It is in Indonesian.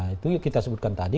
itu kita sebutkan tadi